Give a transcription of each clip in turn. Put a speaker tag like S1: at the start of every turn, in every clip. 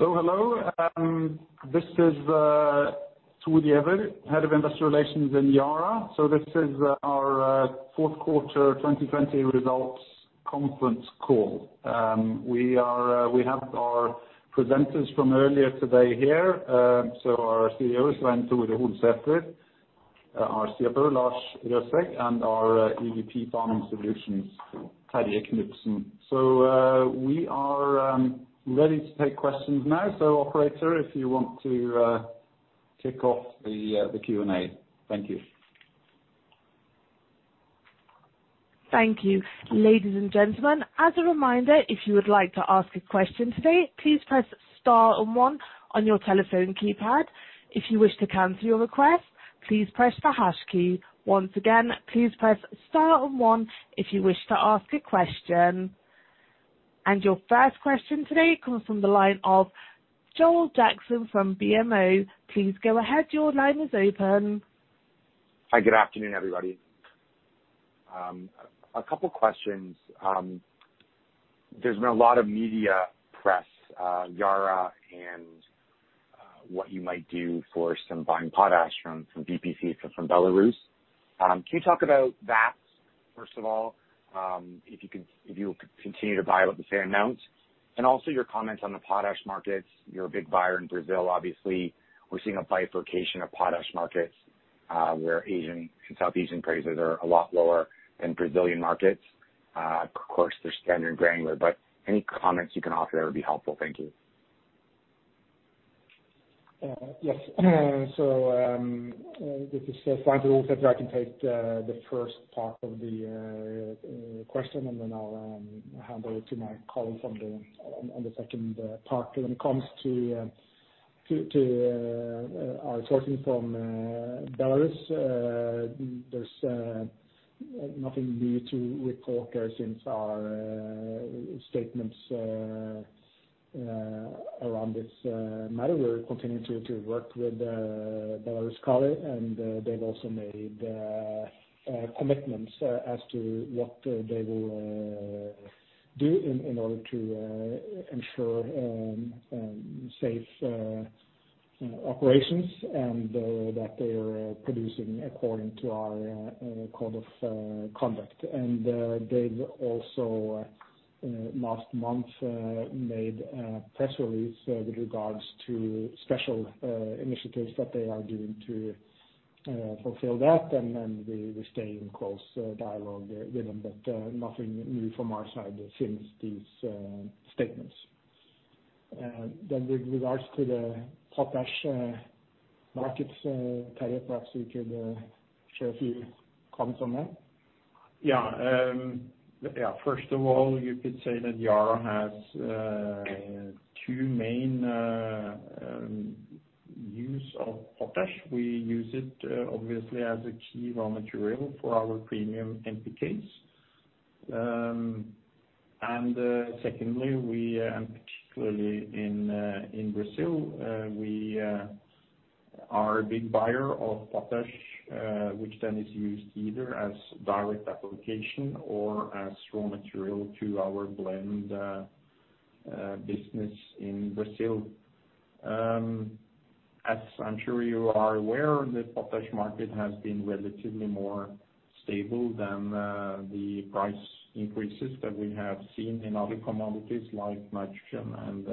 S1: Hello, this is Thor Giæver, Head of Investor Relations in Yara. This is our fourth quarter 2020 results conference call. We have our presenters from earlier today here. Our CEO, Svein Tore Holsether, our CFO, Lars Røsæg, and our EVP Farming Solutions, Terje Knutsen. We are ready to take questions now. Operator, if you want to kick off the Q&A. Thank you.
S2: Thank you. Ladies and gentlemen, as a reminder, if you would like to ask a question today, please press star and one on your telephone keypad. If you wish to cancel your request, please press the hash key. Once again, please press star and one if you wish to ask a question. Your first question today comes from the line of Joel Jackson from BMO. Please go ahead. Your line is open.
S3: Hi, good afternoon, everybody. A couple questions. There's been a lot of media press, Yara and what you might do for some buying potash from some BPC from Belarus. Can you talk about that, first of all, if you could, if you continue to buy with the same amounts? Also your comments on the potash markets. You're a big buyer in Brazil obviously. We're seeing a bifurcation of potash markets, where Asian and Southeast Asian prices are a lot lower than Brazilian markets. Of course, they're standard granular. Any comments you can offer there would be helpful. Thank you.
S4: Yes. This is Svein Tore Holsether. I can take the first part of the question, and then I'll hand over to my colleague on the second part. When it comes to our sourcing from Belarus, there's nothing new to report there since our statements around this matter. We're continuing to work with Belaruskali, and they've also made commitments as to what they will do in order to ensure safe operations and that they are producing according to our code of conduct. They've also, last month, made a press release with regards to special initiatives that they are doing to fulfill that, and we stay in close dialogue with them. Nothing new from our side since these statements. With regards to the potash markets, Terje, perhaps you could share a few comments on that.
S5: Yeah. First of all, you could say that Yara has two main use of potash. We use it obviously as a key raw material for our premium NPKs. Secondly, and particularly in Brazil, we are a big buyer of potash, which then is used either as direct application or as raw material to our blend business in Brazil. As I'm sure you are aware, the potash market has been relatively more stable than the price increases that we have seen in other commodities like magnesium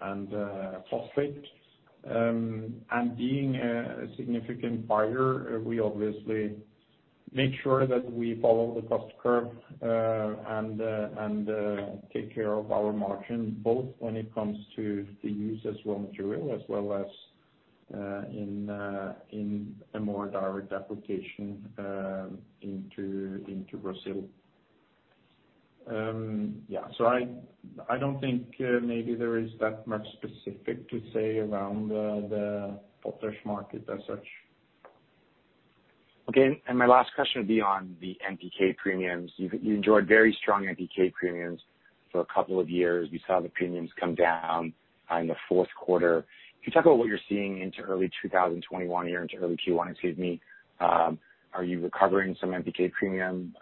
S5: and phosphate. Being a significant buyer, we obviously make sure that we follow the cost curve, and take care of our margin, both when it comes to the use as raw material as well as in a more direct application into Brazil. Yeah. I don't think maybe there is that much specific to say around the potash market as such.
S3: Okay. My last question would be on the NPK premiums. You enjoyed very strong NPK premiums for a couple of years. We saw the premiums come down in the fourth quarter. Can you talk about what you're seeing into early 2021 here into early Q1, excuse me. Are you recovering some NPK premium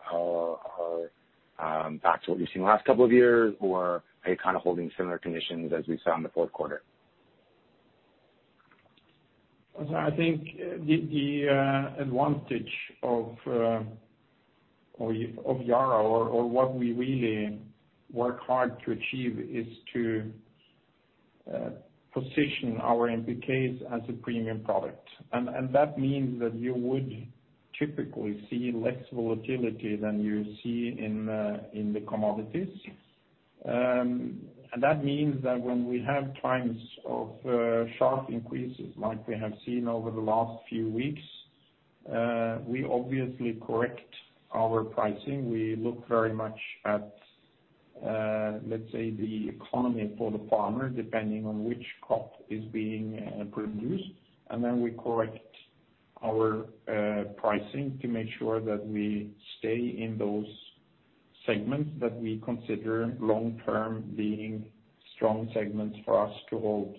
S3: back to what we've seen the last couple of years? Are you kind of holding similar conditions as we saw in the fourth quarter?
S5: I think the advantage of Yara or what we really work hard to achieve is to position our NPKs as a premium product. That means that you would typically see less volatility than you see in the commodities. That means that when we have times of sharp increases like we have seen over the last few weeks, we obviously correct our pricing. We look very much at, let's say, the economy for the farmer, depending on which crop is being produced. Then we correct our pricing to make sure that we stay in those segments that we consider long-term being strong segments for us to hold.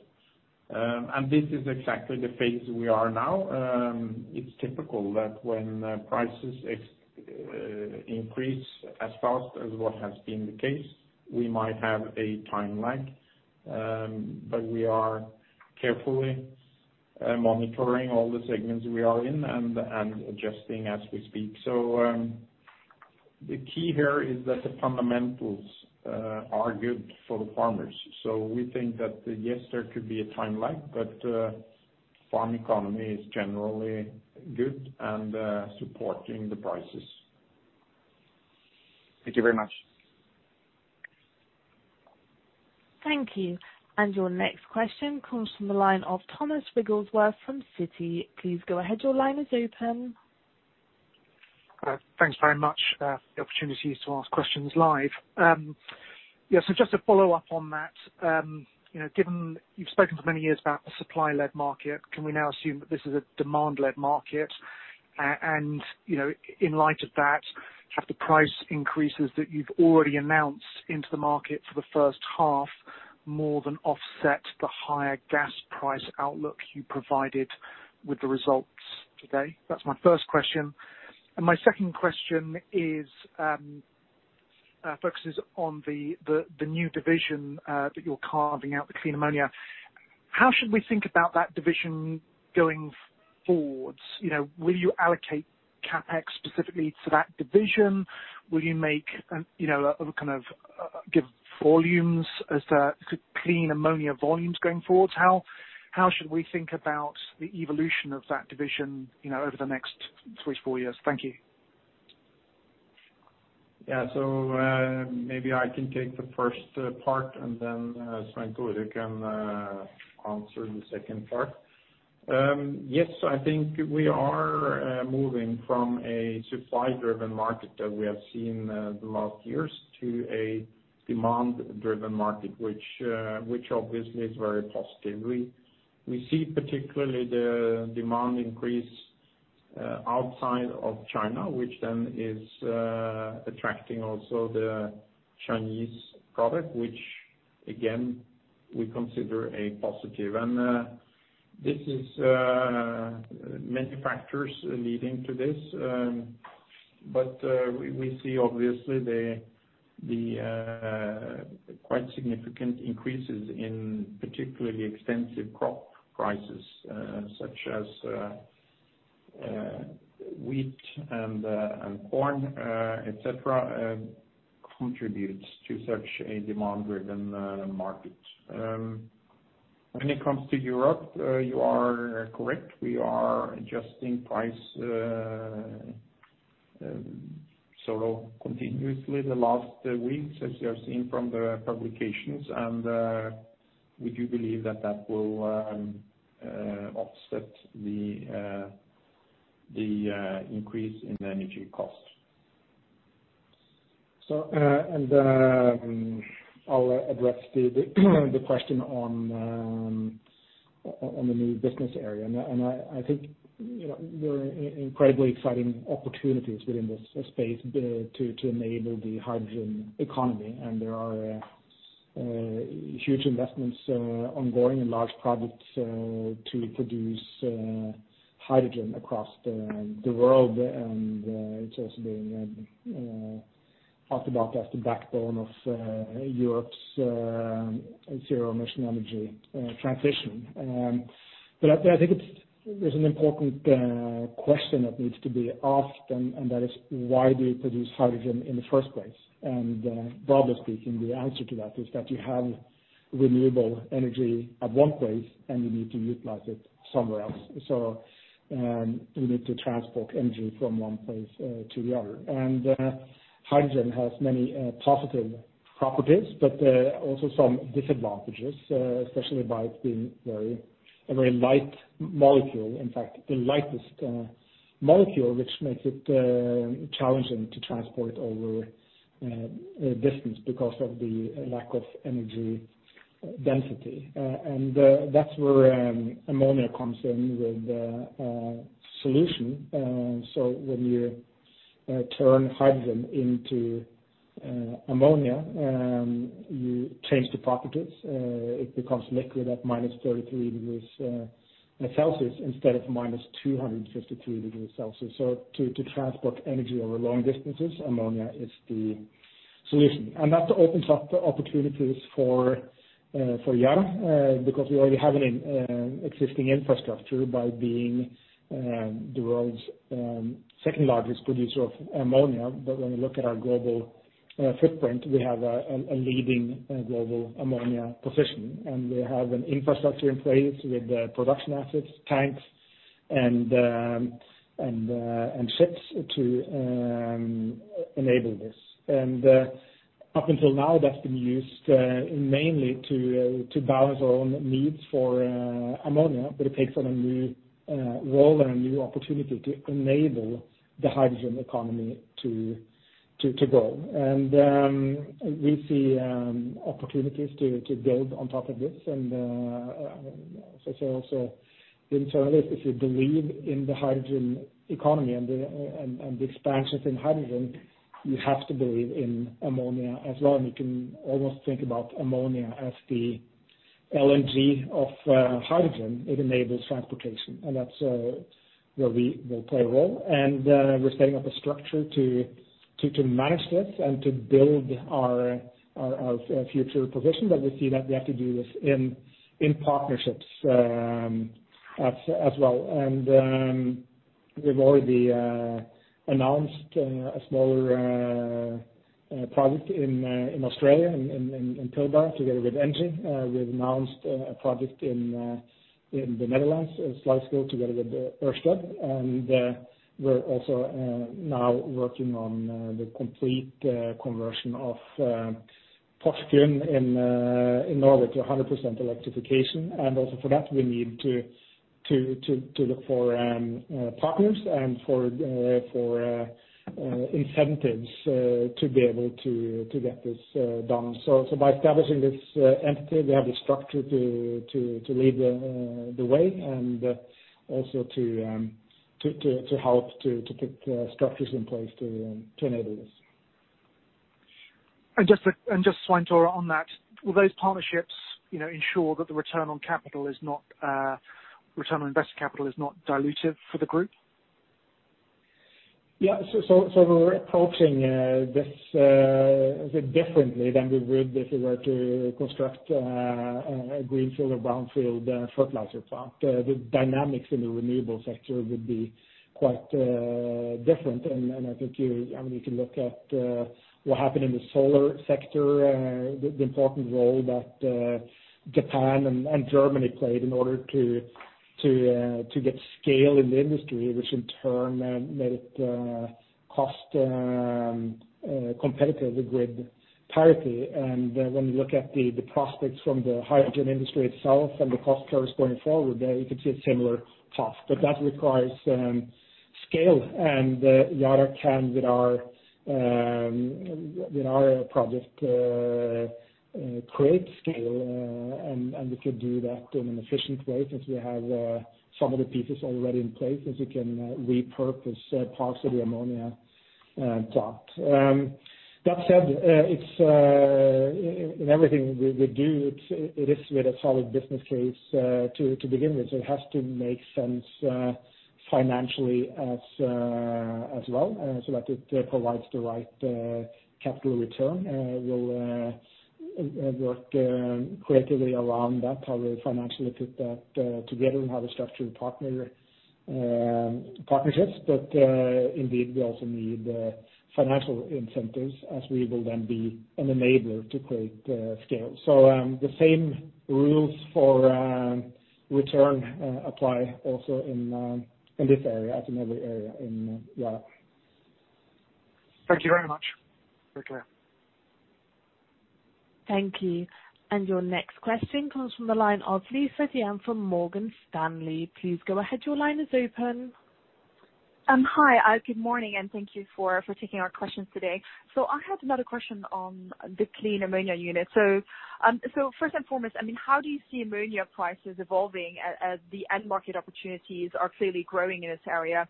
S5: This is exactly the phase we are in now. It's typical that when prices increase as fast as what has been the case, we might have a time lag. We are carefully monitoring all the segments we are in and adjusting as we speak. The key here is that the fundamentals are good for the farmers. We think that, yes, there could be a time lag, but farm economy is generally good and supporting the prices.
S3: Thank you very much.
S2: Thank you. Your next question comes from the line of Thomas Wigglesworth from Citi. Please go ahead. Your line is open.
S6: Thanks very much for the opportunity to ask questions live. Just to follow up on that, given you've spoken for many years about the supply-led market, can we now assume that this is a demand-led market? In light of that, have the price increases that you've already announced into the market for the first half more than offset the higher gas price outlook you provided with the results today? That's my first question. My second question focuses on the new division that you're carving out, the clean ammonia. How should we think about that division going forwards? Will you allocate CapEx specifically to that division? Will you give clean ammonia volumes going forwards? How should we think about the evolution of that division over the next 3-4 years? Thank you.
S5: Yeah. Maybe I can take the first part, and then Svein Tore can answer the second part. Yes, I think we are moving from a supply-driven market that we have seen the last years to a demand-driven market, which obviously is very positive. We see particularly the demand increase outside of China, which then is attracting also the Chinese product, which again, we consider a positive. There are many factors leading to this. We see obviously the quite significant increases in particularly extensive crop prices, such as wheat and corn, et cetera, contributes to such a demand-driven market. When it comes to Europe, you are correct. We are adjusting price sort of continuously the last weeks, as you have seen from the publications, and we do believe that that will offset the increase in energy cost.
S4: I'll address the question on the new business area. I think there are incredibly exciting opportunities within this space to enable the hydrogen economy. There are huge investments ongoing and large projects to produce hydrogen across the world. It's also being talked about as the backbone of Europe's zero-emission energy transition. I think there's an important question that needs to be asked, and that is why do you produce hydrogen in the first place? Broadly speaking, the answer to that is that you have renewable energy at one place, and you need to utilize it somewhere else. We need to transport energy from one place to the other. Hydrogen has many positive properties, but also some disadvantages, especially by it being a very light molecule. In fact, the lightest molecule, which makes it challenging to transport over a distance because of the lack of energy density. That's where ammonia comes in with a solution. When you turn hydrogen into ammonia, you change the properties. It becomes liquid at -33 degrees Celsius instead of -253 degrees Celsius. To transport energy over long distances, ammonia is the solution. That opens up the opportunities for Yara, because we already have an existing infrastructure by being the world's second-largest producer of ammonia. When we look at our global footprint, we have a leading global ammonia position, and we have an infrastructure in place with the production assets, tanks, and ships to enable this. Up until now, that's been used mainly to balance our own needs for ammonia. It takes on a new role and a new opportunity to enable the hydrogen economy to grow. We see opportunities to build on top of this. Also internally, if you believe in the hydrogen economy and the expansions in hydrogen, you have to believe in ammonia as well. You can almost think about ammonia as the LNG of hydrogen, it enables transportation. That's where we will play a role. We're setting up a structure to manage this and to build our future position. We see that we have to do this in partnerships as well. We've already announced a smaller project in Australia, in Pilbara together with ENGIE. We've announced a project in the Netherlands, Sluiskil, together with OCI. We're also now working on the complete conversion of Porsgrunn in Norway to 100% electrification. Also for that, we need to look for partners and for incentives to be able to get this done. By establishing this entity, we have the structure to lead the way and also to help to put structures in place to enable this.
S6: Just, Svein Tore, on that, will those partnerships ensure that the return on invested capital is not diluted for the group?
S4: We're approaching this a bit differently than we would if we were to construct a greenfield or brownfield fertilizer plant. The dynamics in the renewable sector would be quite different. I think you can look at what happened in the solar sector, the important role that Japan and Germany played in order to get scale in the industry, which in turn made it cost competitive with grid parity. When you look at the prospects from the hydrogen industry itself and the cost curves going forward, you can see a similar path. That requires scale, and Yara can, with our project, create scale. We could do that in an efficient way since we have some of the pieces already in place since we can repurpose parts of the ammonia plant. That said, in everything we do, it is with a solid business case to begin with. It has to make sense financially as well, so that it provides the right capital return. We'll work creatively around that, how we financially put that together and how we structure partnerships. Indeed, we also need financial incentives as we will then be an enabler to create scale. The same rules for return apply also in this area as in every area in Yara.
S6: Thank you very much. Very clear.
S2: Thank you. Your next question comes from the line of Lisa De Neve from Morgan Stanley. Please go ahead.
S7: Hi. Good morning, and thank you for taking our questions today. I had another question on the clean ammonia unit. First and foremost, how do you see ammonia prices evolving as the end market opportunities are clearly growing in this area?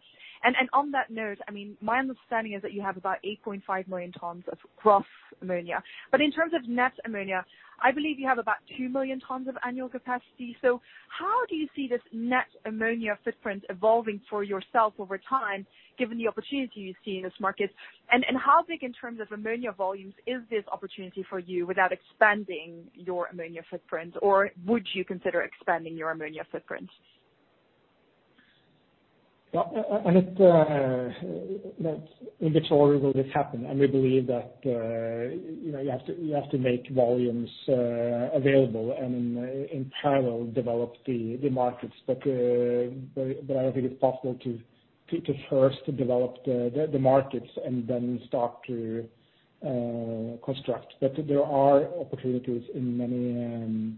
S7: On that note, my understanding is that you have about 8.5 million tons of gross ammonia. In terms of net ammonia, I believe you have about 2 million tons of annual capacity. How do you see this net ammonia footprint evolving for yourself over time given the opportunity you see in this market? How big in terms of ammonia volumes is this opportunity for you without expanding your ammonia footprint? Would you consider expanding your ammonia footprint?
S4: That inventory will just happen. We believe that you have to make volumes available and in parallel develop the markets. I don't think it's possible to first develop the markets and then start to construct. There are opportunities in many areas.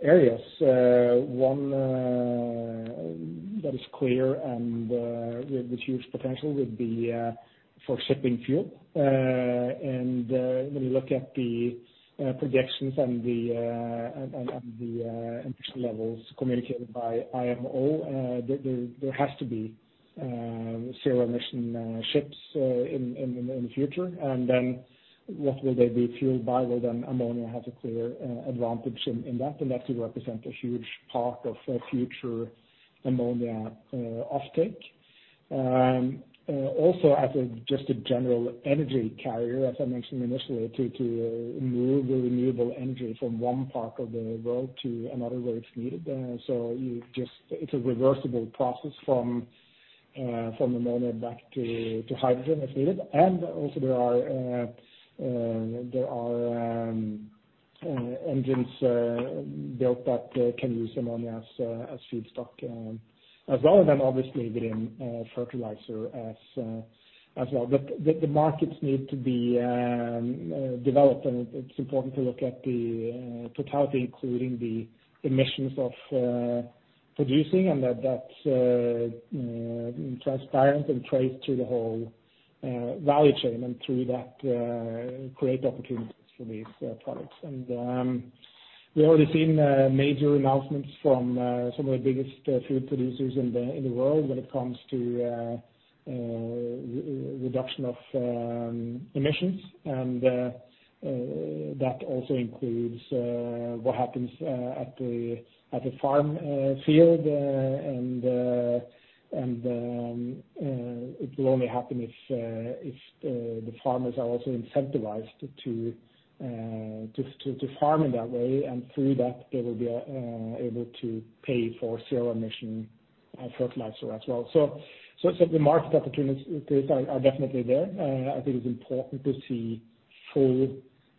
S4: One that is clear and with huge potential would be for shipping fuel. When you look at the projections and the emission levels communicated by IMO, there has to be zero emission ships in the future. What will they be fueled by? Ammonia has a clear advantage in that, and that could represent a huge part of future ammonia off-take. Also as just a general energy carrier, as I mentioned initially, to move the renewable energy from one part of the world to another where it's needed. It's a reversible process from ammonia back to hydrogen if needed. Also there are engines built that can use ammonia as feedstock as well, and then obviously within fertilizer as well. The markets need to be developed, and it's important to look at the totality, including the emissions of producing and that's transparent and traced through the whole value chain, and through that create opportunities for these products. We've already seen major announcements from some of the biggest food producers in the world when it comes to reduction of emissions. That also includes what happens at the farm field, and it will only happen if the farmers are also incentivized to farm in that way, and through that, they will be able to pay for zero emission fertilizer as well. The market opportunities are definitely there. I think it's important to see full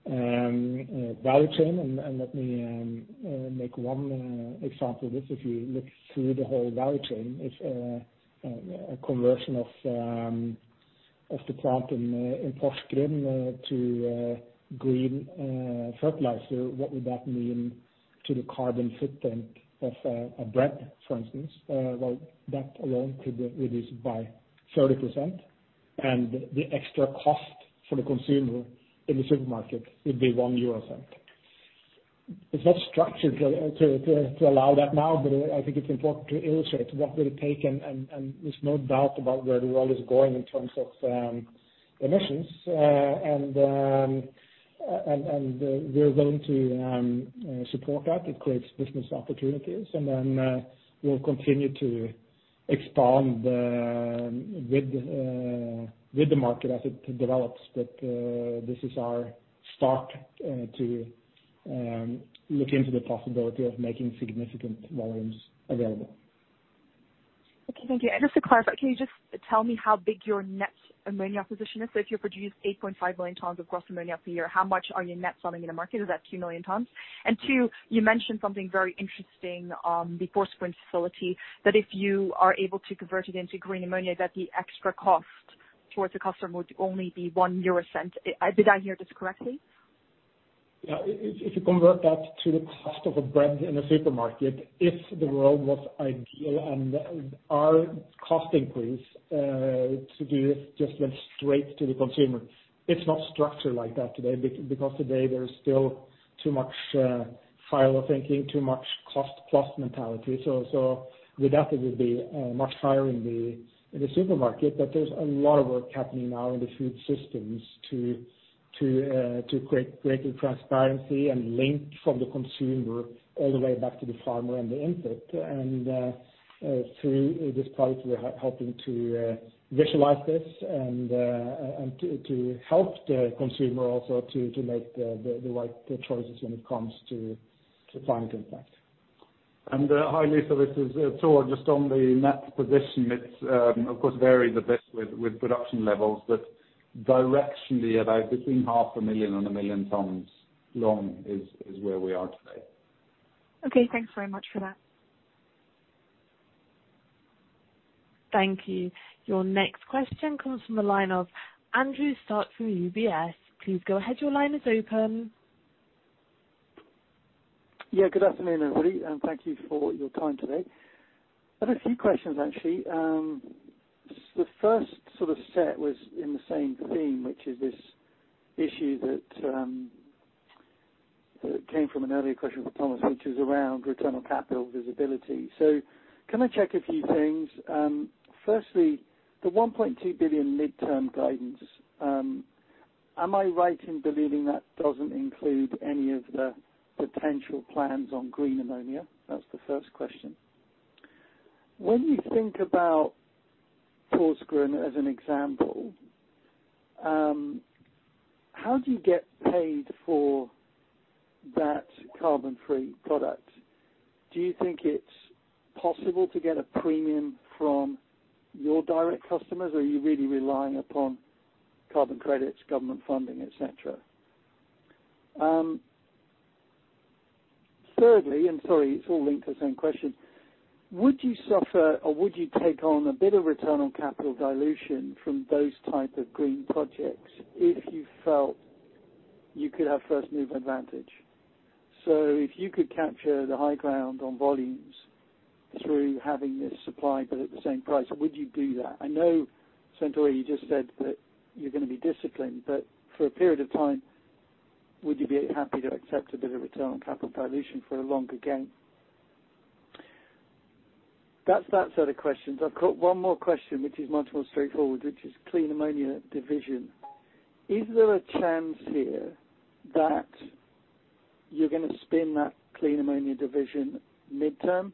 S4: value chain. Let me make one example of this. If you look through the whole value chain, if a conversion of the plant in Porsgrunn to green fertilizer, what would that mean to the carbon footprint of bread, for instance? Well, that alone could reduce by 30%, and the extra cost for the consumer in the supermarket would be 0.01. It's not structured to allow that now, but I think it's important to illustrate what will it take, and there's no doubt about where the world is going in terms of emissions. We're going to support that. It creates business opportunities, and then we'll continue to expand with the market as it develops. This is our start to look into the possibility of making significant volumes available.
S7: Okay, thank you. Just to clarify, can you just tell me how big your net ammonia position is? If you produce 8.5 million tons of gross ammonia per year, how much are you net selling in the market? Is that 2 million tons? Two, you mentioned something very interesting on the Porsgrunn facility, that if you are able to convert it into green ammonia, that the extra cost towards the customer would only be 0.01. Did I hear this correctly?
S4: Yeah. If you convert that to the cost of a bread in a supermarket, if the world was ideal and our cost increase to do this just went straight to the consumer. It's not structured like that today, because today there is still too much silo thinking, too much cost plus mentality. With that, it would be much higher in the supermarket. There's a lot of work happening now in the food systems to create greater transparency and link from the consumer all the way back to the farmer and the input. Through this product, we are helping to visualize this and to help the consumer also to make the right choices when it comes to climate impact.
S1: Hi, Lisa, this is Thor. Just on the net position, it of course varies a bit with production levels, but directionally about between half a million and 1 million tons long is where we are today.
S7: Okay, thanks very much for that.
S2: Thank you. Your next question comes from the line of Andrew Stott from UBS. Please go ahead. Your line is open.
S8: Good afternoon, everybody, and thank you for your time today. I have a few questions, actually. The first set was in the same theme, which is this issue that came from an earlier question from Thomas, which is around return on capital visibility. Can I check a few things? Firstly, the 1.2 billion midterm guidance, am I right in believing that doesn't include any of the potential plans on green ammonia? That's the first question. When you think about Porsgrunn as an example, how do you get paid for that carbon-free product? Do you think it's possible to get a premium from your direct customers, or are you really relying upon carbon credits, government funding, et cetera? Thirdly, sorry, it's all linked to the same question. Would you suffer, or would you take on a bit of return on capital dilution from those type of green projects if you felt you could have first-mover advantage? If you could capture the high ground on volumes through having this supply, but at the same price, would you do that? I know, Svein Tore, you just said that you're going to be disciplined, but for a period of time, would you be happy to accept a bit of return on capital dilution for the longer game? That's that set of questions. I've got one more question, which is much more straightforward, which is Clean Ammonia division. Is there a chance here that you're going to spin that Clean Ammonia division midterm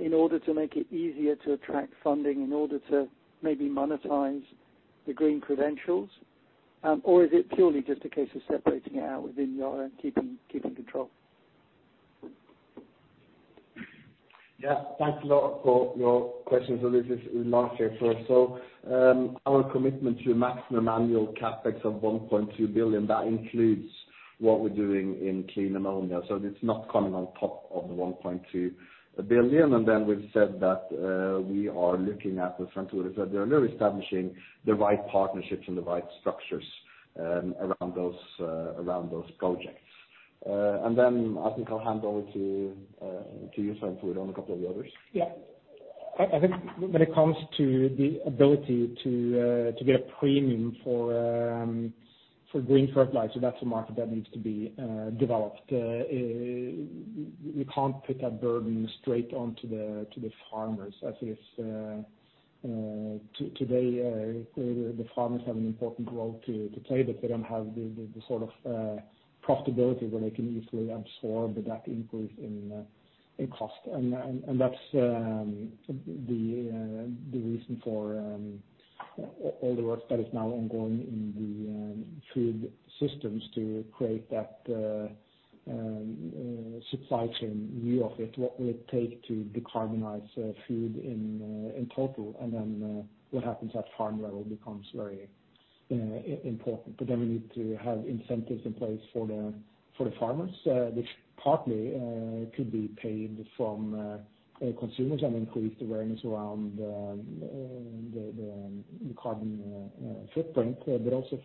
S8: in order to make it easier to attract funding, in order to maybe monetize the green credentials? Is it purely just a case of separating it out within Yara and keeping control?
S4: Thanks a lot for your questions. This is Lars here first. Our commitment to a maximum annual CapEx of 1.2 billion, that includes what we're doing in clean ammonia. It's not coming on top of the 1.2 billion. We've said that we are looking at, as Svein Tore said earlier, establishing the right partnerships and the right structures around those projects. I think I'll hand over to you, Svein Tore, on a couple of the others. Yeah. I think when it comes to the ability to get a premium for green fertilizer, that's a market that needs to be developed. We can't put that burden straight onto the farmers, as is today. The farmers have an important role to play, but they don't have the sort of profitability where they can easily absorb that increase in cost. That's the reason for all the work that is now ongoing in the food systems to create that supply chain view of it. What will it take to decarbonize food in total, and then what happens at farm level becomes very important. Then we need to have incentives in place for the farmers, which partly could be paid from consumers and increased awareness around the carbon footprint, but also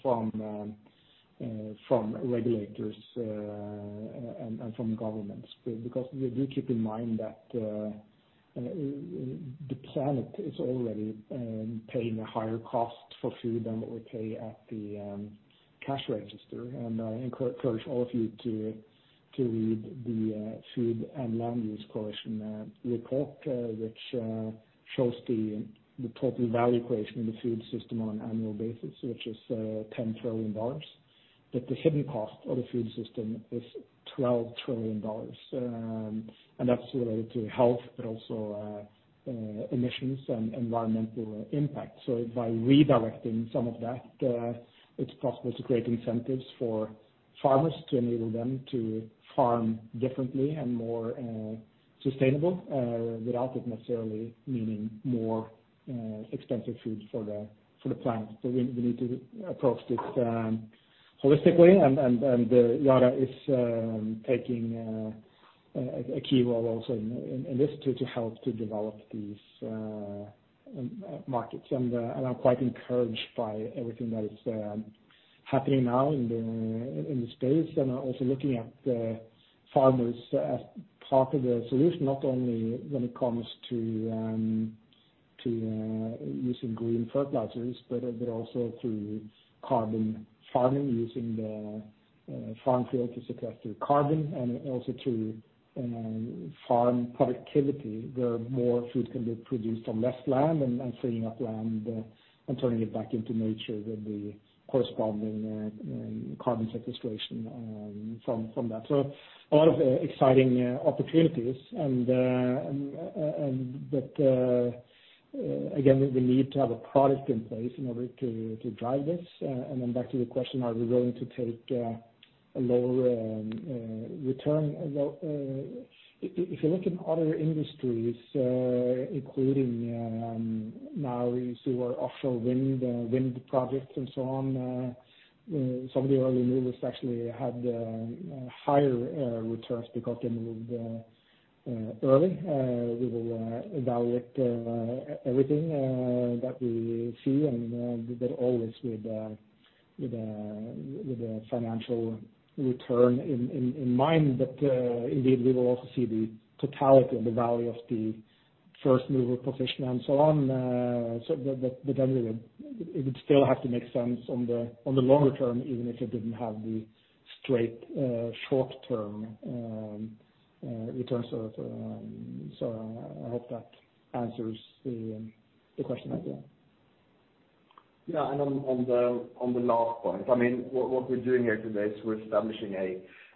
S4: from regulators and from governments. We do keep in mind that the planet is already paying a higher cost for food than what we pay at the cash register. I encourage all of you to read the Food and Land Use Coalition report, which shows the total value creation in the food system on an annual basis, which is $10 trillion. The hidden cost of the food system is $12 trillion. That's related to health, but also emissions and environmental impact. By redirecting some of that, it's possible to create incentives for farmers to enable them to farm differently and more sustainable, without it necessarily meaning more expensive food for the planet. We need to approach this holistically. Yara is taking a key role also in this too, to help to develop these markets. I'm quite encouraged by everything that is happening now in the space. Also looking at the farmers as part of the solution, not only when it comes to using green fertilizers, but also through carbon farming, using the farm field to sequester carbon and also to farm productivity, where more food can be produced on less land and freeing up land and turning it back into nature with the corresponding carbon sequestration from that. A lot of exciting opportunities. Again, we need to have a product in place in order to drive this. Then back to the question, are we willing to take a lower return? If you look in other industries, including now we see offshore wind projects and so on, some of the early movers actually had higher returns because they moved early. We will evaluate everything that we see and that always with a financial return in mind. Indeed, we will also see the totality and the value of the first-mover position and so on. It would still have to make sense on the longer term, even if it didn't have the straight short-term returns. I hope that answers the question as well.
S9: Yeah. On the last point, what we're doing here today is we're establishing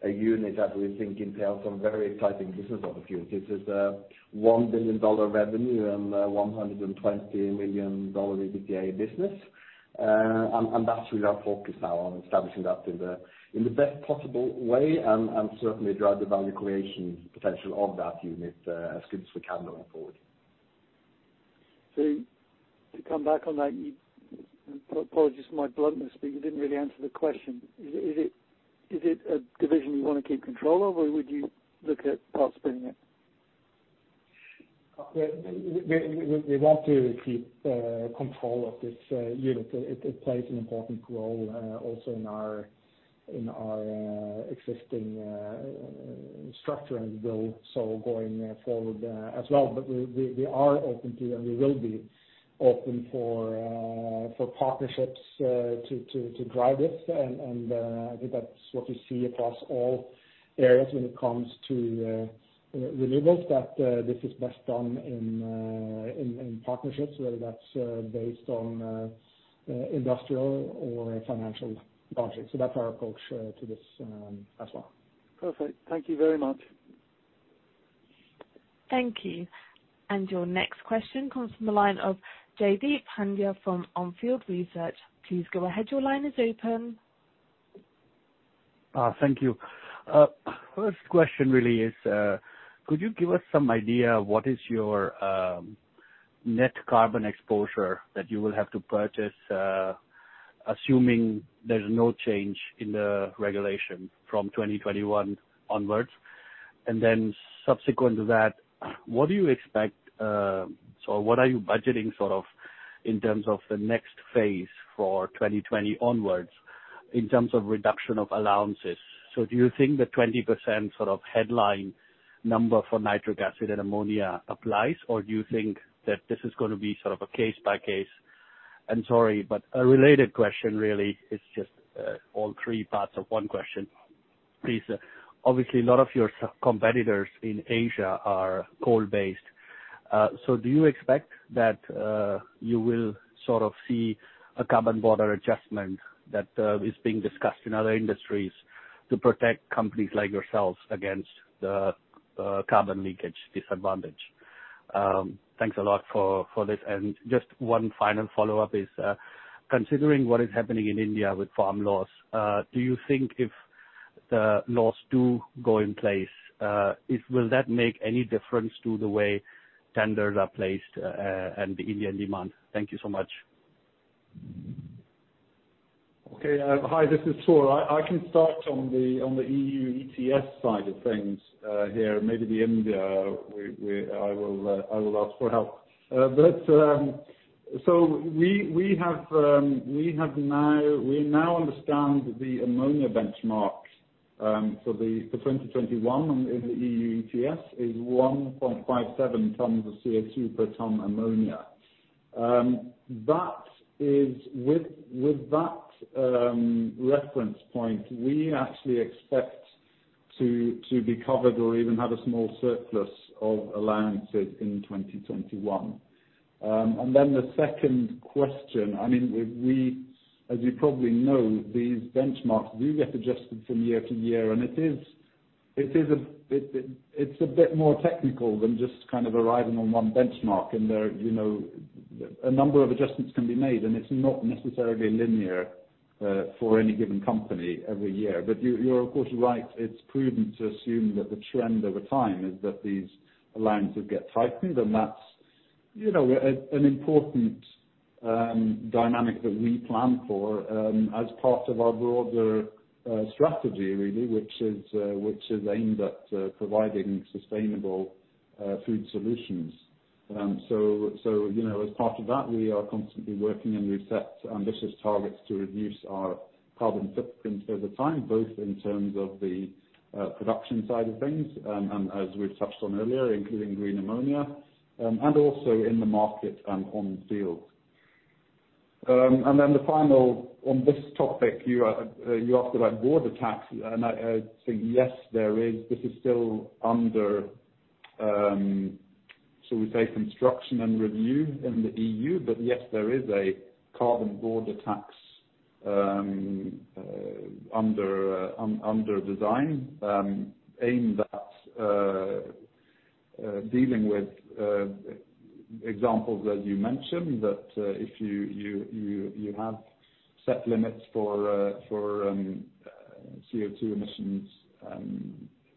S9: a unit that we think entails some very exciting business opportunities. It's a $1 billion revenue and $120 million EBITDA business. That's really our focus now on establishing that in the best possible way and certainly drive the value creation potential of that unit as good as we can going forward.
S8: To come back on that, apologies for my bluntness, but you didn't really answer the question. Is it a division you want to keep control of, or would you look at part spinning it?
S4: We want to keep control of this unit. It plays an important role also in our existing structure and will, so going forward as well. We are open to, and we will be open for partnerships to drive this. I think that's what we see across all areas when it comes to renewables, that this is best done in partnerships, whether that's based on industrial or financial logic. That's our approach to this as well.
S8: Perfect. Thank you very much.
S2: Thank you. Your next question comes from the line of Jaideep Pandya from On Field Research. Please go ahead, your line is open.
S10: Thank you. First question really is, could you give us some idea of what is your net carbon exposure that you will have to purchase, assuming there's no change in the regulation from 2021 onwards? Subsequent to that, what do you expect in terms of the next phase for 2020 onwards, in terms of reduction of allowances. Do you think the 20% headline number for nitric acid and ammonia applies, or do you think that this is going to be a case by case? A related question really is just all three parts of one question. Please, obviously a lot of your competitors in Asia are coal-based. Do you expect that you will see a carbon border adjustment that is being discussed in other industries to protect companies like yourselves against the carbon leakage disadvantage? Thanks a lot for this. Just one final follow-up is, considering what is happening in India with farm laws, do you think if the laws do go in place, will that make any difference to the way tenders are placed, and the Indian demand? Thank you so much.
S1: Okay. Hi, this is Thor. I can start on the EU ETS side of things here. Maybe the India, I will ask for help. We now understand the ammonia benchmark, for 2021 in the EU ETS is 1.57 tons of CO2 per ton ammonia. With that reference point, we actually expect to be covered or even have a small surplus of allowances in 2021. Then the second question, as you probably know, these benchmarks do get adjusted from year to year, and it's a bit more technical than just arriving on one benchmark. A number of adjustments can be made, and it's not necessarily linear, for any given company every year. You're of course, right. It's prudent to assume that the trend over time is that these allowances get tightened. That's an important dynamic that we plan for, as part of our broader strategy really, which is aimed at providing sustainable food solutions. As part of that, we are constantly working and we've set ambitious targets to reduce our carbon footprint over time, both in terms of the production side of things, and as we've touched on earlier, including green ammonia, and also in the market and on field. The final, on this topic, you asked about border tax, and I think, yes, there is. This is still under, should we say, construction and review in the EU. Yes, there is a carbon border tax under design, aimed at dealing with examples that you mentioned, that if you have set limits for CO2 emissions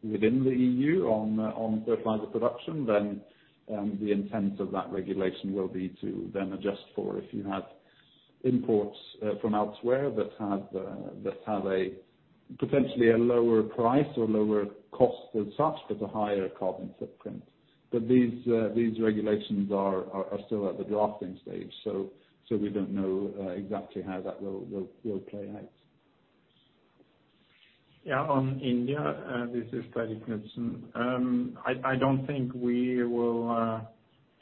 S1: within the EU on fertilizer production, then the intent of that regulation will be to then adjust for if you have imports from elsewhere that have potentially a lower price or lower cost as such, but a higher carbon footprint. These regulations are still at the drafting stage, so we don't know exactly how that will play out.
S11: Yeah. On India, this is Freidrik Knutsen. I don't think we will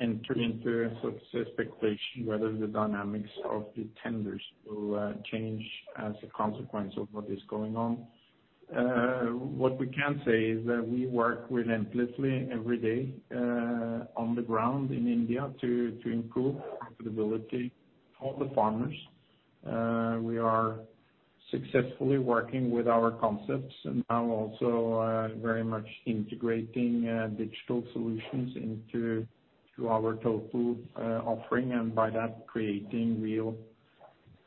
S11: enter into expectation whether the dynamics of the tenders will change as a consequence of what is going on. What we can say is that we work relentlessly every day on the ground in India to improve profitability for the farmers. We are successfully working with our concepts and now also very much integrating digital solutions into our total offering. By that creating real,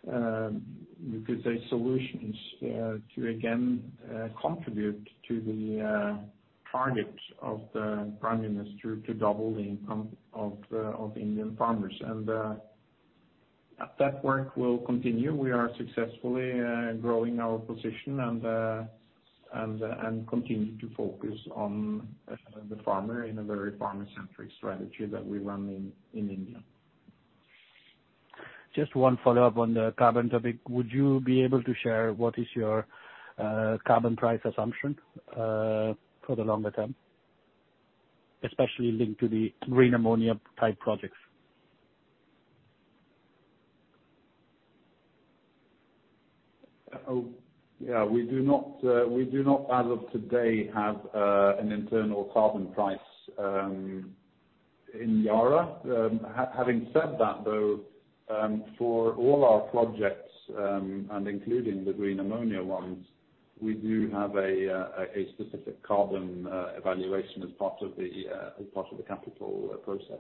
S11: you could say, solutions, to again contribute to the target of the prime minister to double the income of Indian farmers. That work will continue. We are successfully growing our position and continue to focus on the farmer in a very farmer-centric strategy that we run in India.
S10: Just one follow-up on the carbon topic. Would you be able to share what is your carbon price assumption for the longer term, especially linked to the green ammonia type projects?
S1: Yeah. We do not, as of today, have an internal carbon price in Yara. Having said that though, for all our projects, and including the green ammonia ones, we do have a specific carbon evaluation as part of the capital process.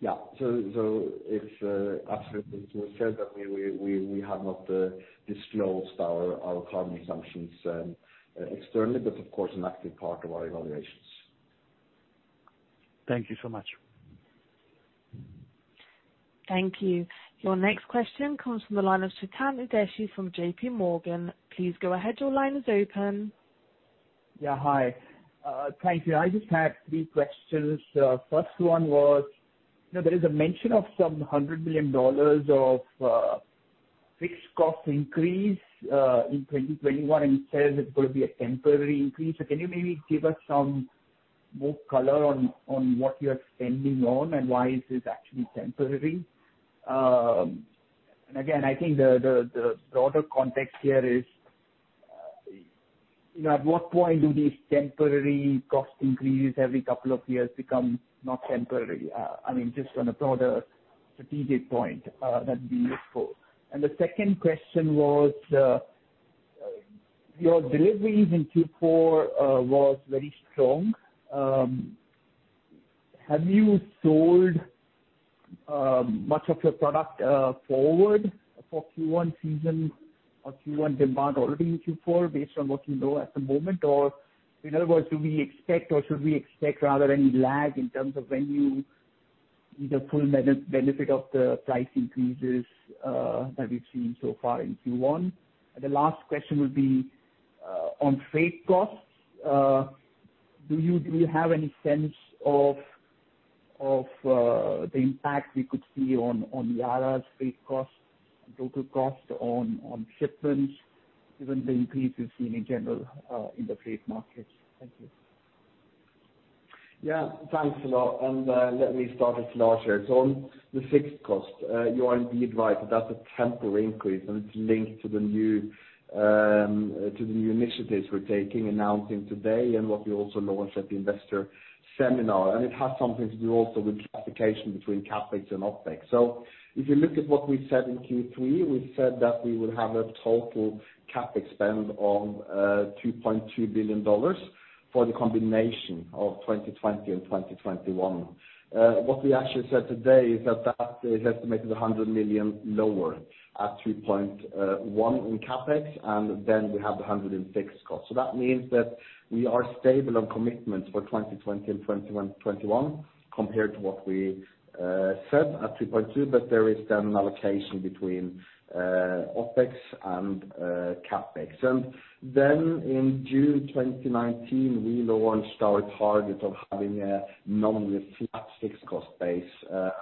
S9: Yeah. It's absolutely fair to say that we have not disclosed our carbon assumptions externally, but of course, an active part of our evaluations.
S10: Thank you so much.
S2: Thank you. Your next question comes from the line of Chetan Udeshi from J.P. Morgan. Please go ahead, your line is open.
S12: Yeah, hi. Thank you. I just had three questions. First one was, there is a mention of some $100 million of fixed cost increase in 2021, and it says it's going to be a temporary increase. Can you maybe give us some more color on what you're spending on, and why is this actually temporary? Again, I think the broader context here is, at what point do these temporary cost increases every couple of years become not temporary? Just on a broader strategic point, that'd be useful. The second question was, your deliveries in Q4 were very strong. Have you sold much of your product forward for Q1 season or Q1 demand already in Q4 based on what you know at the moment? In other words, should we expect any lag in terms of when you see the full benefit of the price increases that we've seen so far in Q1? The last question would be, on freight costs, do you have any sense of the impact we could see on Yara's freight costs and total cost on shipments, given the increase we've seen in general in the freight markets? Thank you.
S9: Yeah, thanks a lot. Let me start with Slusher. On the fixed cost, you are indeed right. That's a temporary increase, and it's linked to the new initiatives we're taking, announcing today and what we also launched at the ESG Investor Seminar. It has something to do also with classification between CapEx and OpEx. If you look at what we said in Q3, we said that we would have a total CapEx spend of $2.2 billion for the combination of 2020 and 2021. What we actually said today is that is estimated $100 million lower at $2.1 billion in CapEx, then we have the $100 million in fixed cost. That means that we are stable on commitments for 2020 and 2021 compared to what we said at $2.2 billion, there is then an allocation between OpEx and CapEx. In June 2019, we launched our target of having a nominally flat fixed cost base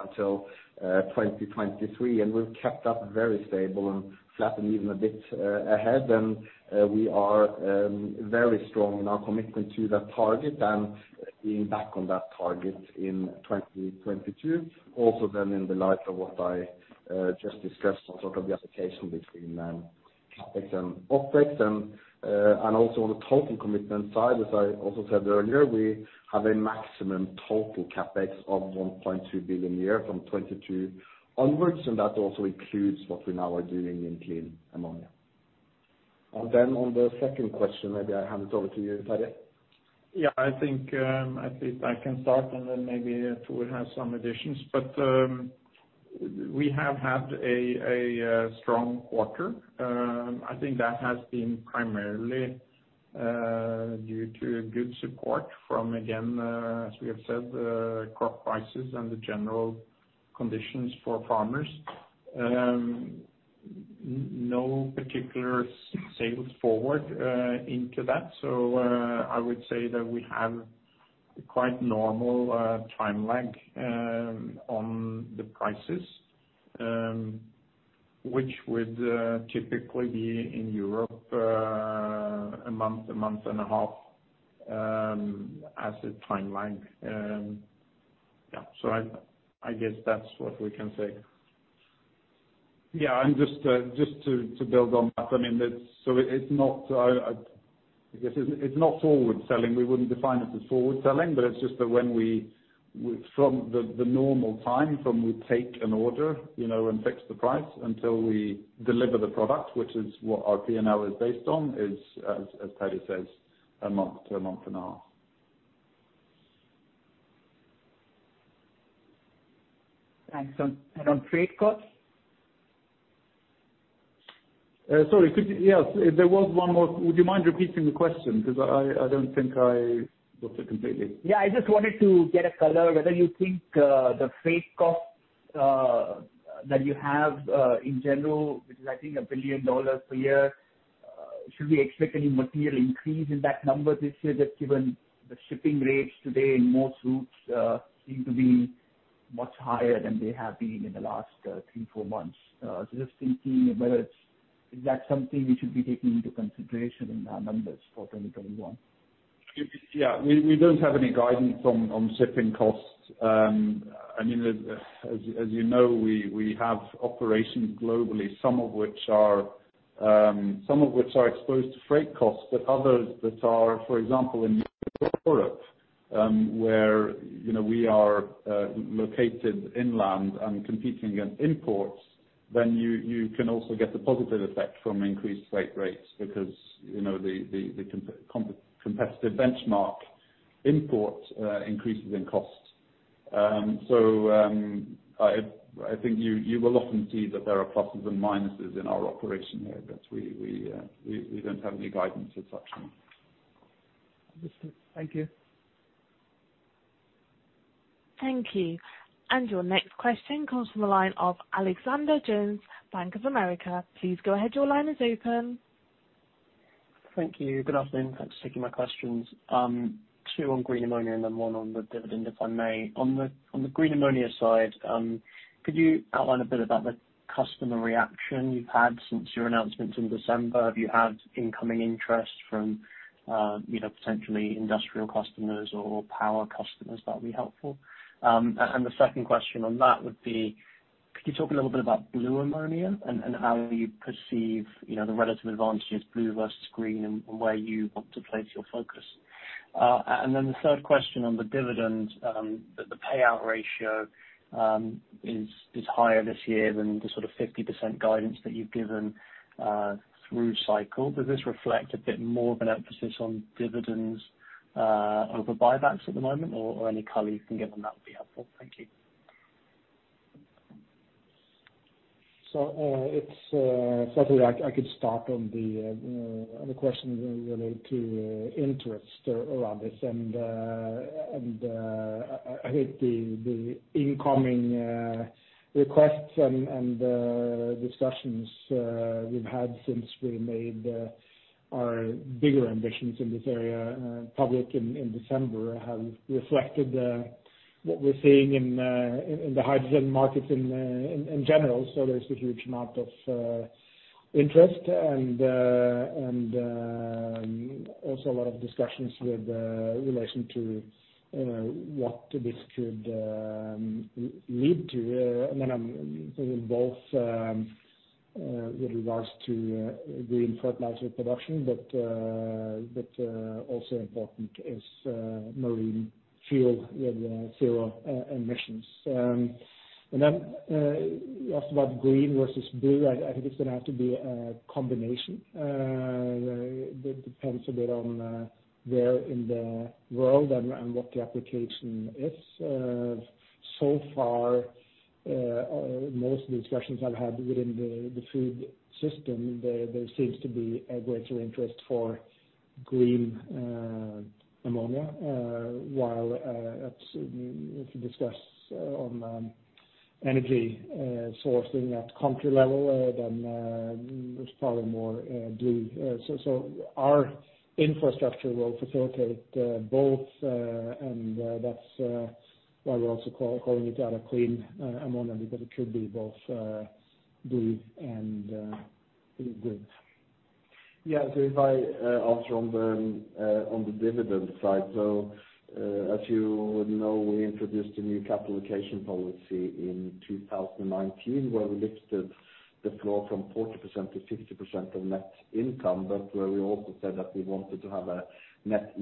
S9: until 2023. We've kept that very stable and flat and even a bit ahead. We are very strong in our commitment to that target and being back on that target in 2022. In the light of what I just discussed on sort of the application between CapEx and OpEx. On the total commitment side, as I also said earlier, we have a maximum total CapEx of 1.2 billion a year from 2022 onwards, and that also includes what we now are doing in clean ammonia. On the second question, maybe I hand it over to you, Terje.
S5: I think I can start, then maybe Thor will have some additions. We have had a strong quarter. I think that has been primarily due to good support from, again, as we have said, crop prices and the general conditions for farmers. No particular sales forward into that. I would say that we have quite normal time lag on the prices, which would typically be in Europe a month, a month and a half as a time lag. Yeah. I guess that's what we can say.
S9: Yeah. Just to build on that, it's not forward selling. We wouldn't define it as forward selling, but it's just that from the normal time from we take an order and fix the price until we deliver the product, which is what our P&L is based on, is, as Terje says, a month to a month and a half.
S12: Thanks. On freight costs?
S9: Sorry. Yes. There was one more. Would you mind repeating the question? Because I don't think I got it completely.
S12: I just wanted to get a color whether you think the freight cost that you have in general, which is I think NOK 1 billion per year, should we expect any material increase in that number this year given the shipping rates today in most routes seem to be much higher than they have been in the last 3, 4 months? Just thinking whether is that something we should be taking into consideration in our numbers for 2021?
S9: Yeah. We don't have any guidance on shipping costs. As you know, we have operations globally, some of which are exposed to freight costs. Others that are, for example, in Europe, where we are located inland and competing against imports, you can also get the positive effect from increased freight rates because the competitive benchmark import increases in cost. I think you will often see that there are pluses and minuses in our operation here, but we don't have any guidance as such.
S12: Understood. Thank you.
S2: Thank you. Your next question comes from the line of Alexander Jones, Bank of America. Please go ahead. Your line is open.
S13: Thank you. Good afternoon. Thanks for taking my questions. Two on green ammonia and then one on the dividend, if I may. On the green ammonia side, could you outline a bit about the customer reaction you've had since your announcement in December? Have you had incoming interest from potentially industrial customers or power customers? That would be helpful. The second question on that would be, could you talk a little bit about blue ammonia and how you perceive the relative advantages, blue versus green, and where you want to place your focus? The third question on the dividend, the payout ratio is higher this year than the 50% guidance that you've given through cycle. Does this reflect a bit more of an emphasis on dividends over buybacks at the moment? Any color you can give on that would be helpful. Thank you.
S4: It's something I could start on the question related to interest around this. I think the incoming requests and discussions we've had since we made our bigger ambitions in this area public in December have reflected what we're seeing in the hydrogen markets in general. There's a huge amount of interest and also a lot of discussions with relation to what this could lead to. I mean, both with regards to green fertilizer production, but also important is marine fuel with zero emissions. You asked about green versus blue. I think it's going to have to be a combination. It depends a bit on where in the world and what the application is. So far, most of the discussions I've had within the food system, there seems to be a greater interest for green ammonia, while if you discuss on energy sourcing at country level, then there's probably more blue. Our infrastructure will facilitate both, and that's why we're also calling it Yara Clean Ammonia, because it could be both blue and green.
S9: If I answer on the dividend side. As you would know, we introduced a new capital allocation policy in 2019 where we lifted the floor from 40%-50% of net income, where we also said that we wanted to have a net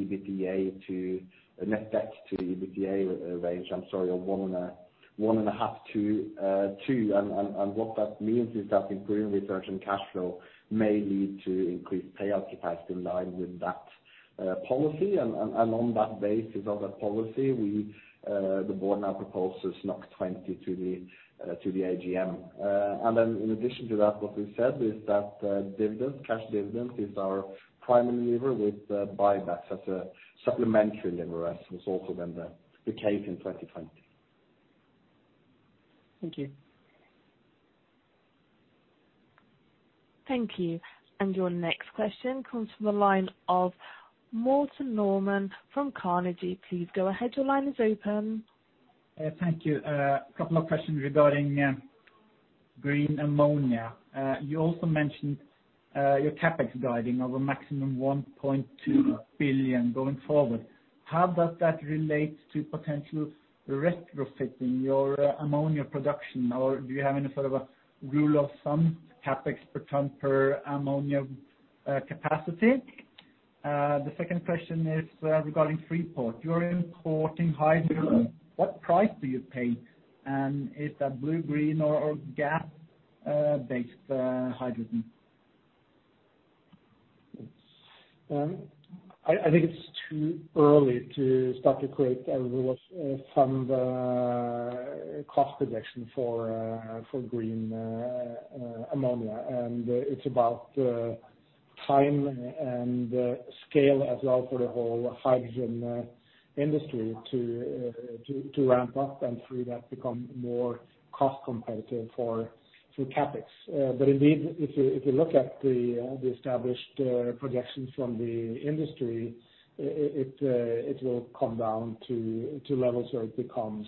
S9: debt to EBITDA range of 1.5-2. What that means is that improving return on cash flow may lead to increased payout capacity in line with that policy. On that basis of that policy, the board now proposes 20 to the AGM. In addition to that, what we've said is that cash dividends is our primary lever, with buybacks as a supplementary lever, as was also been the case in 2020.
S13: Thank you.
S2: Thank you. Your next question comes from the line of Morten Normann from Carnegie. Please go ahead. Your line is open.
S14: Thank you. A couple of questions regarding green ammonia. You also mentioned your CapEx guiding of a maximum 1.2 billion going forward. How does that relate to potential retrofitting your ammonia production? Do you have any sort of a rule of thumb CapEx per ton, per ammonia capacity? The second question is regarding Freeport. You're importing hydrogen. What price do you pay? Is that blue, green, or gas-based hydrogen?
S4: I think it's too early to start to create a rule of thumb cost projection for green ammonia. It's about time and scale as well for the whole hydrogen industry to ramp up and through that, become more cost competitive for CapEx. Indeed, if you look at the established projections from the industry, it will come down to levels where it becomes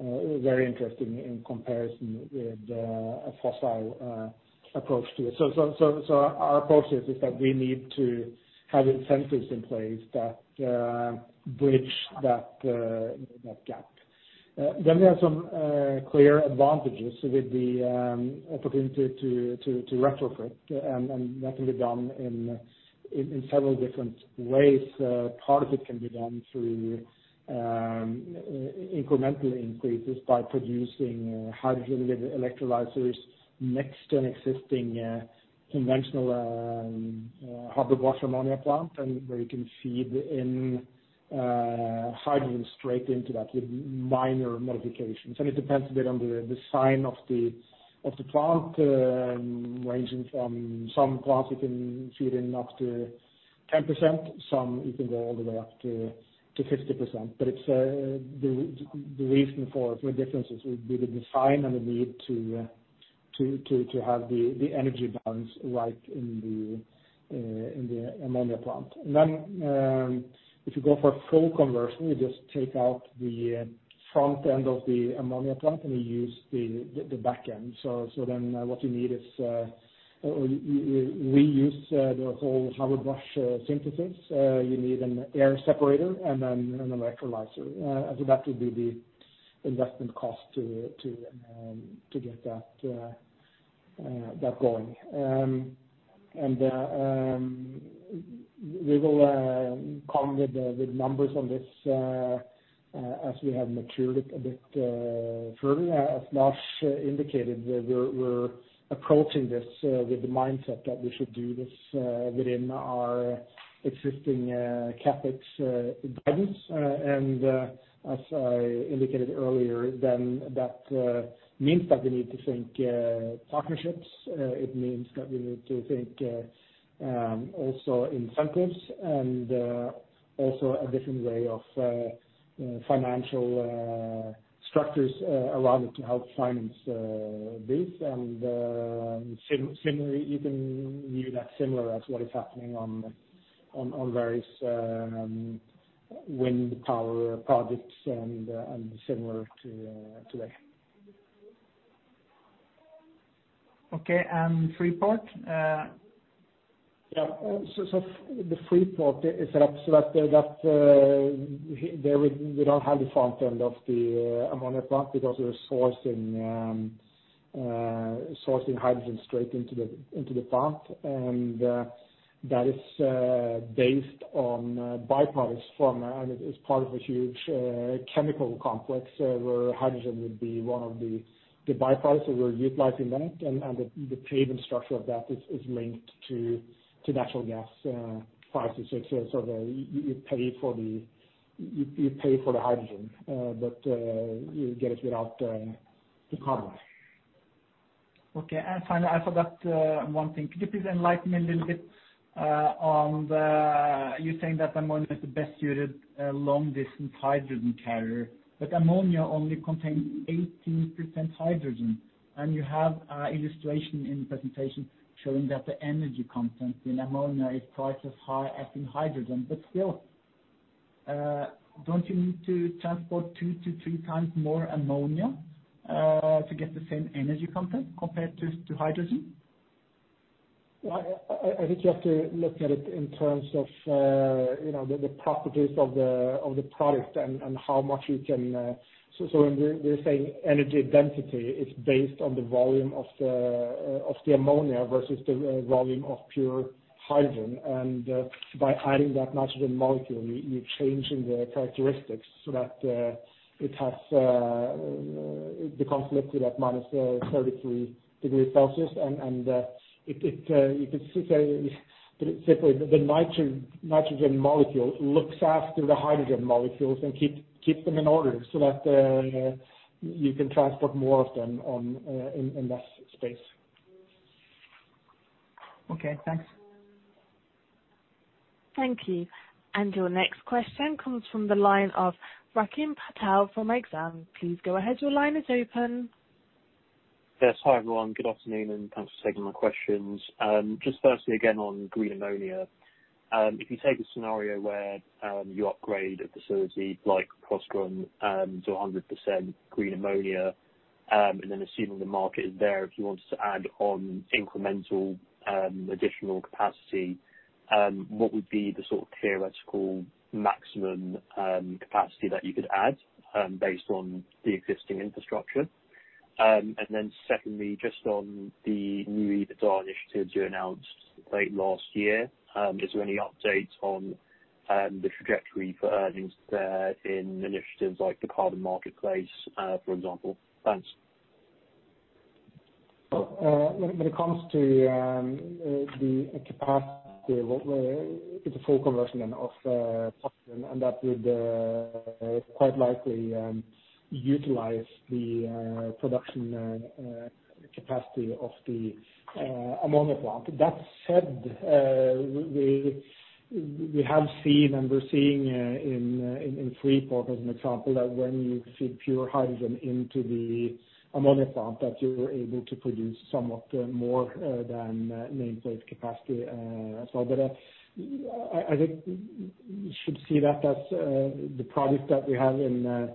S4: very interesting in comparison with a fossil approach to it. Our approach is that we need to have incentives in place that bridge that gap. We have some clear advantages with the opportunity to retrofit, and that can be done in several different ways. Part of it can be done through incremental increases by producing hydrogen electrolyzers next to an existing conventional Haber-Bosch ammonia plant, and where you can feed in hydrogen straight into that with minor modifications. It depends a bit on the design of the plant, ranging from some plants you can feed in up to 10%, some you can go all the way up to 50%. The reason for the differences would be the design and the need to have the energy balance right in the ammonia plant. Then, if you go for a full conversion, we just take out the front end of the ammonia plant and we use the back end. Then what you need is reuse the whole Haber-Bosch synthesis. You need an air separator and then an electrolyzer. I think that would be the investment cost to get that going. We will come with numbers on this as we have matured it a bit further. As Lars indicated, we're approaching this with the mindset that we should do this within our existing CapEx guidance. As I indicated earlier, that means that we need to think partnerships. It means that we need to think also incentives and also a different way of financial structures around it to help finance this. Similarly, you can view that similar as what is happening on various wind power projects and similar today.
S14: Okay, Freeport?
S4: Freeport is set up so that we don't have the front end of the ammonia plant because we're sourcing hydrogen straight into the plant. That is based on by-products from, and it is part of a huge chemical complex, where hydrogen would be one of the by-products. We're utilizing that, and the payment structure of that is linked to natural gas prices. You pay for the hydrogen, but you get it without the carbon.
S14: Okay. Finally, I forgot one thing. Could you please enlighten me a little bit on the You're saying that ammonia is the best suited long distance hydrogen carrier, ammonia only contains 18% hydrogen, and you have illustration in the presentation showing that the energy content in ammonia is twice as high as in hydrogen. Still, don't you need to transport two to three times more ammonia, to get the same energy content compared to hydrogen?
S4: I think you have to look at it in terms of the properties of the product and how much you can. When we're saying energy density, it's based on the volume of the ammonia versus the volume of pure hydrogen. By adding that nitrogen molecule, you're changing the characteristics so that it becomes liquid at -33° C. You could say, put it simply, the nitrogen molecule looks after the hydrogen molecules and keep them in order so that you can transport more of them in less space.
S14: Okay, thanks.
S2: Thank you. Your next question comes from the line of Rikin Patel from Exane. Please go ahead, your line is open.
S15: Yes. Hi, everyone. Good afternoon, and thanks for taking my questions. Firstly, again, on green ammonia. If you take a scenario where you upgrade a facility like Porsgrunn to 100% green ammonia, assuming the market is there, if you wanted to add on incremental additional capacity, what would be the sort of theoretical maximum capacity that you could add based on the existing infrastructure? Secondly, on the new EBITDA initiatives you announced late last year, is there any update on the trajectory for earnings there in initiatives like the carbon marketplace, for example? Thanks.
S4: When it comes to the capacity, it's a full conversion of Porsgrunn, and that would quite likely utilize the production capacity of the ammonia plant. That said, we have seen and we're seeing in Freeport as an example, that when you feed pure hydrogen into the ammonia plant, that you're able to produce somewhat more than nameplate capacity as well. I think you should see that as the project that we have in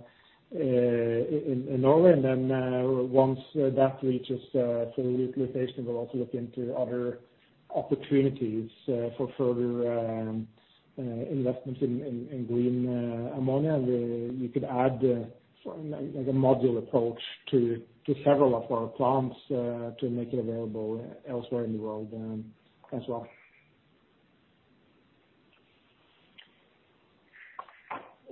S4: Norway. Once that reaches full utilization, we'll also look into other opportunities for further investments in green ammonia. You could add like a module approach to several of our plants, to make it available elsewhere in the world as well.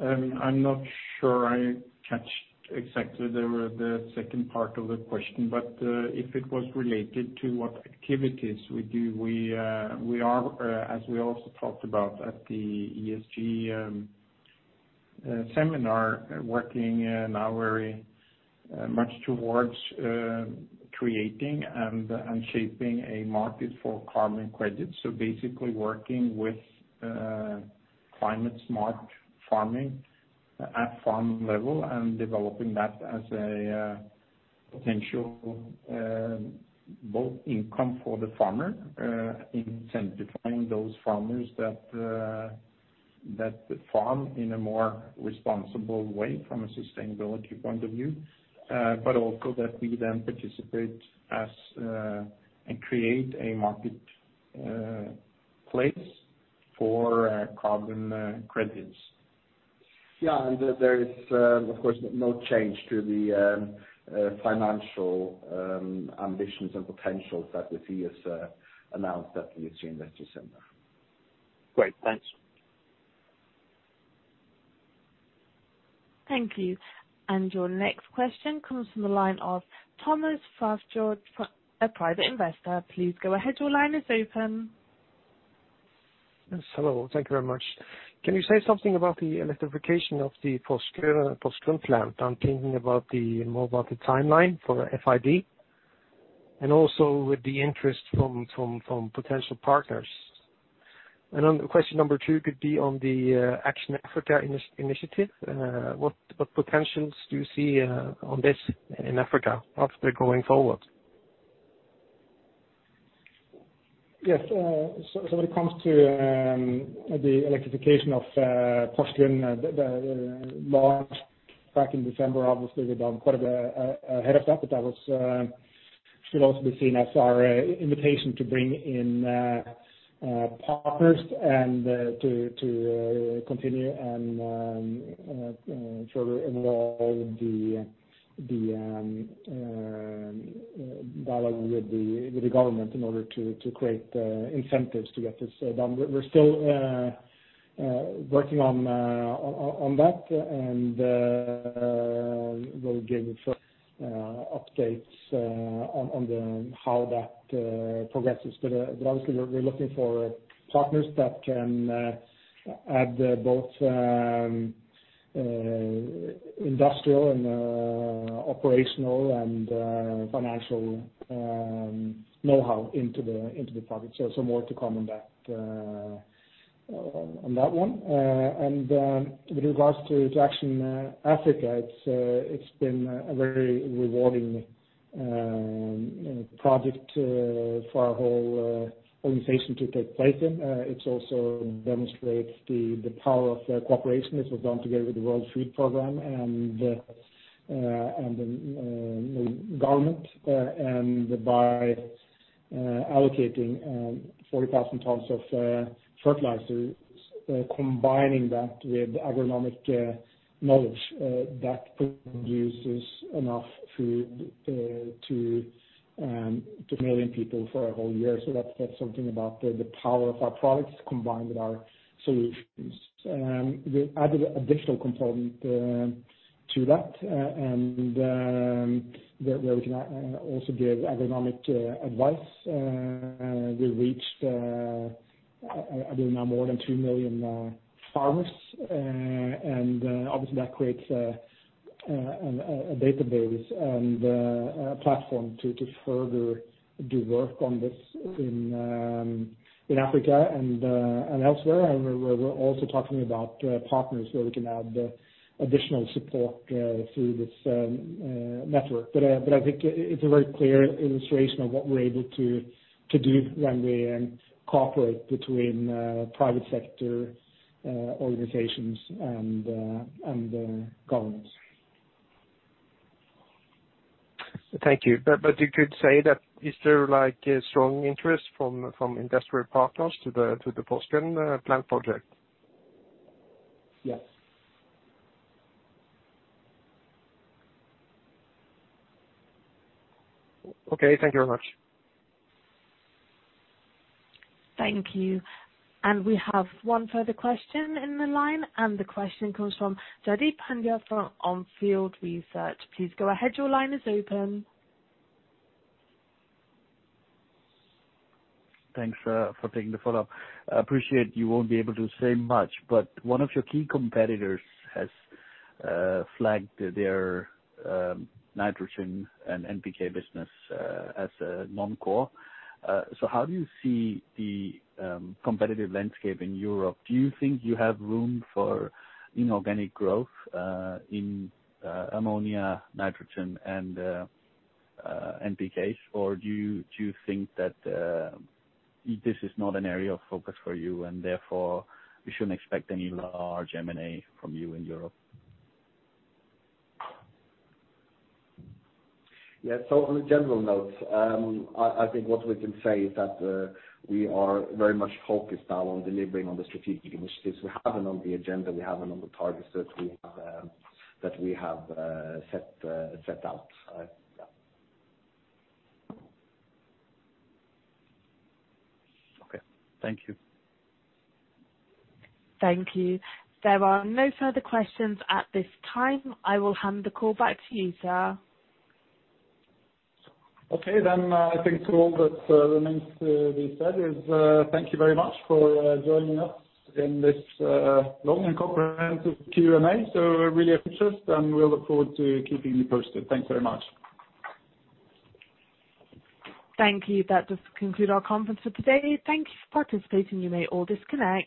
S5: I'm not sure I catch exactly the second part of the question, but if it was related to what activities we do, we are, as we also talked about at the ESG-
S4: seminar working now very much towards creating and shaping a market for carbon credits. Basically working with climate-smart farming at farm level and developing that as a potential both income for the farmer, incentivizing those farmers that farm in a more responsible way from a sustainability point of view, but also that we then participate as, and create a marketplace for carbon credits.
S9: Yeah. There is, of course, no change to the financial ambitions and potentials that we announced at the Investor Seminar.
S15: Great. Thanks.
S2: Thank you. Your next question comes from the line of Thomas Fastjord, a private investor. Please go ahead. Your line is open.
S16: Yes, hello. Thank you very much. Can you say something about the electrification of the Porsgrunn plant? I'm thinking more about the timeline for FID, and also with the interest from potential partners. Question number 2 could be on the Action Africa initiative. What potentials do you see on this in Africa after going forward?
S4: Yes. When it comes to the electrification of Porsgrunn, launched back in December, obviously we're done quite a bit ahead of that, but that should also be seen as our invitation to bring in partners and to continue and further involve the dialogue with the government in order to create incentives to get this done. We're still working on that, and we'll give updates on how that progresses. Obviously, we're looking for partners that can add both industrial and operational and financial knowhow into the product. More to come on that one. With regards to Action Africa, it's been a very rewarding project for our whole organization to take place in. It also demonstrates the power of cooperation as we've gone together with the World Food Programme and the government. By allocating 40,000 tons of fertilizer, combining that with agronomic knowledge, that produces enough food to two million people for a whole year. That's something about the power of our products combined with our solutions. We added additional component to that, and where we can also give agronomic advice. We reached, I believe now more than two million farmers, and obviously that creates a database and a platform to further do work on this in Africa and elsewhere. We're also talking about partners where we can add additional support through this network. I think it's a very clear illustration of what we're able to do when we cooperate between private sector organizations and governments.
S16: Thank you. You could say that is there a strong interest from industrial partners to the Porsgrunn plant project?
S4: Yes.
S16: Okay. Thank you very much.
S2: Thank you. We have one further question in the line. The question comes from Jaideep Pandya from On Field Research. Please go ahead. Your line is open.
S10: Thanks for taking the follow-up. I appreciate you won't be able to say much. One of your key competitors has flagged their nitrogen and NPK business as non-core. How do you see the competitive landscape in Europe? Do you think you have room for inorganic growth in ammonia, nitrogen, and NPKs? Do you think that this is not an area of focus for you and therefore we shouldn't expect any large M&A from you in Europe?
S9: Yeah. On a general note, I think what we can say is that we are very much focused now on delivering on the strategic initiatives we have and on the agenda we have and on the targets that we have set out. Yeah.
S10: Okay. Thank you.
S2: Thank you. There are no further questions at this time. I will hand the call back to you, Sir.
S1: I think all that remains to be said is thank you very much for joining us in this long and comprehensive Q&A. We're really interested, and we'll look forward to keeping you posted. Thanks very much.
S2: Thank you. That does conclude our conference for today. Thank you for participating. You may all disconnect.